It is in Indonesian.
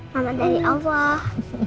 mama dari allah